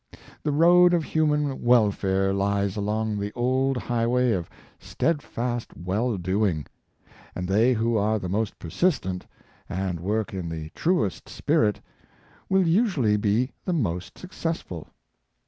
The road of human welfare lies along the old highway of steadfast well doing; and they who are the most persistent, and work in the truest spirit, will usu ally be the most successful.